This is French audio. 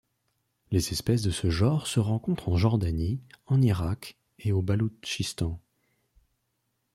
Les espèces de ce genre se rencontrent en Jordanie, en Irak et au Baloutchistan.